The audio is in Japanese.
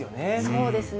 そうですね。